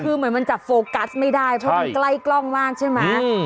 คือเหมือนมันจับโฟกัสไม่ได้เพราะมันใกล้กล้องมากใช่ไหม